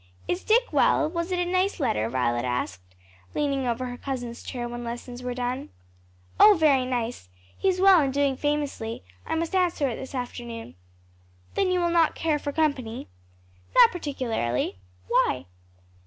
"Is Dick well? was it a nice letter?" Violet asked, leaning over her cousin's chair when lessons were done. "Oh very nice! he's well and doing famously, I must answer it this afternoon." "Then you will not care for company?" "Not particularly. Why?"